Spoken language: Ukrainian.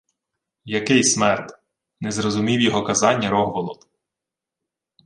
— Який смерд? — не зрозумів його казання Рогволод.